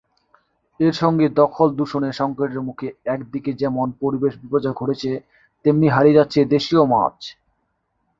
এর সঙ্গে দখল-দূষণে সংকটের মুখে একদিকে যেমন পরিবেশ বিপর্যয় ঘটছে, তেমনি হারিয়ে যাচ্ছে দেশীয় মাছ।